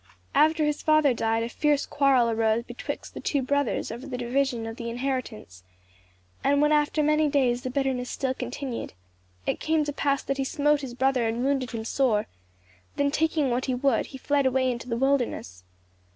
After his father died a fierce quarrel arose betwixt the two brothers over the division of the inheritance; and when after many days the bitterness still continued, it came to pass that he smote his brother and wounded him sore; then taking what he would he fled away into the wilderness.